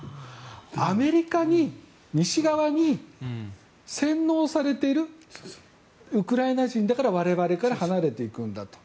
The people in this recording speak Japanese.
アメリカに、西側に洗脳されているウクライナ人だから我々から離れていくんだと。